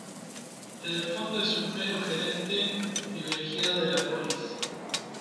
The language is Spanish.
En el fondo es un mero gerente privilegiado de la polis.